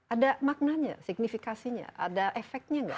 ada maknanya signifikansinya ada efeknya nggak